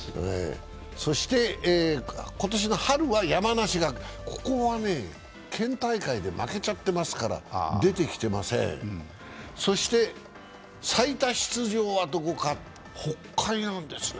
そして今年の春、山梨学院、ここは県大会で負けちゃってますから、出てきてません、そして最多出場はどこか、北海なんですね